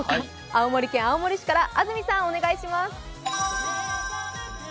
青森県青森市から安住さんお願いします。